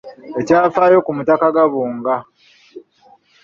Ekyafaayo ku mutaka Gabunga.